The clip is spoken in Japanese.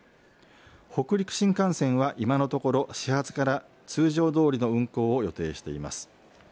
北陸新幹線は、今のところ始発から通常どおりの運行を予定しています。